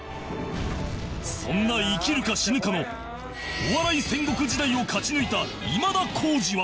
そんな生きるか死ぬかのお笑い戦国時代を勝ち抜いた今田耕司は